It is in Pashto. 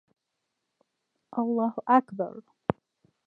الله اکبر